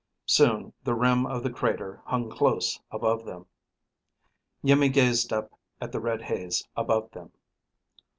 Soon the rim of the crater hung close above them. Iimmi gazed up at the red haze above them.